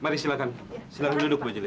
mari silahkan silahkan duduk bu jadi